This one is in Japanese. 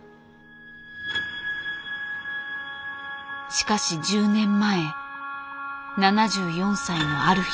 しかし１０年前７４歳のある日。